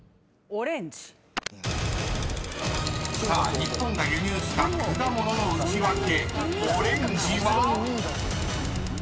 ［日本が輸入した果物のウチワケ